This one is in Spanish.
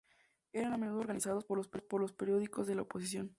Eran a menudo organizados por los periódicos de la oposición.